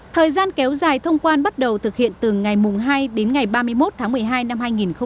thời gian kéo dài thông quan bắt đầu thực hiện từ ngày hai đến ngày ba mươi một tháng một mươi hai năm hai nghìn hai mươi